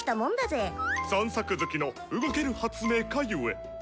散策好きの動ける発明家ゆえ！